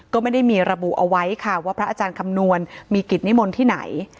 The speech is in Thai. ก็ไม่ได้มีระบุเอาไว้ค่ะว่าพระอาจารย์คำนวณมีกิจนิมนต์ที่ไหน